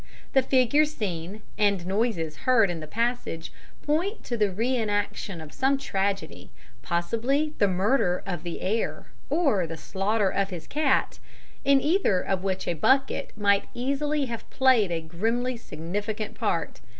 The figure seen, and noises heard in the passage, point to the re enaction of some tragedy, possibly the murder of the heir, or the slaughter of his cat, in either of which a bucket might easily have played a grimly significant part.